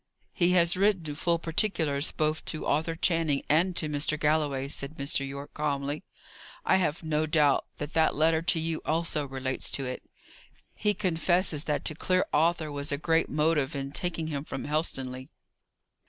"He has written full particulars both to Arthur Channing and to Mr. Galloway," said Mr. Yorke, calmly. "I have no doubt that that letter to you also relates to it. He confesses that to clear Arthur was a great motive in taking him from Helstonleigh."